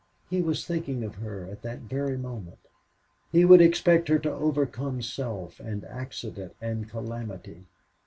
He was thinking of her at that very moment. He would expect her to overcome self and accident and calamity.